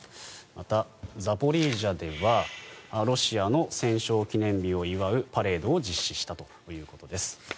また、ザポリージャではロシアの戦勝記念日を祝うパレードを実施したということです。